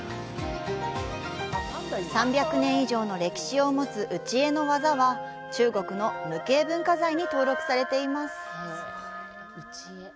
３００年以上の歴史を持つ内画の技は中国の無形文化財に登録されています。